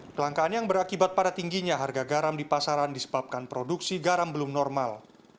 kelangkaan yang berakibat pada tingginya harga garam di pasaran disebabkan produksi garam belum normal